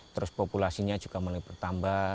terus populasinya juga mulai bertambah